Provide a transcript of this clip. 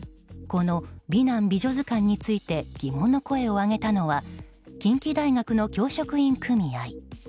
この「美男美女図鑑」について疑問の声を上げたのは近畿大学の教職員組合。